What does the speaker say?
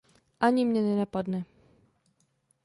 Ani mne nenapadne.